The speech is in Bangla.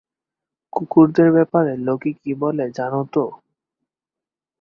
কুকুরদের ব্যাপারে লোকে কী বলে জানো তো।